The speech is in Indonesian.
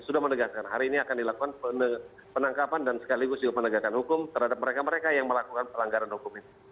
sudah menegaskan hari ini akan dilakukan penangkapan dan sekaligus juga penegakan hukum terhadap mereka mereka yang melakukan pelanggaran hukum itu